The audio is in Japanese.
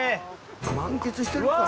満喫してるかな？